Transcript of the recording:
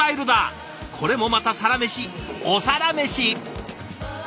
これもまたサラメシお皿メシ！